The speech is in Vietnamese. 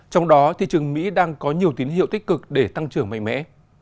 trong đó thị trường mỹ đang có nhiều tín hiệu tích cực để tăng trưởng mạnh mẽ